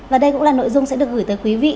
và đây cũng là nội dung sẽ được gửi tới quý vị